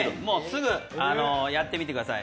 すぐやってみてください。